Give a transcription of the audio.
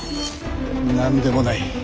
何でもない。